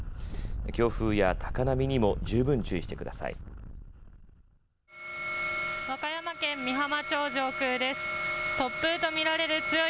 強風や高波にも十分注意してください。